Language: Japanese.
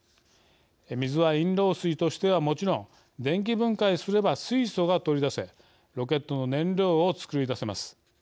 水は飲料水としてはもちろん電気分解すれば水素が取り出せロケットの燃料を作り出せます。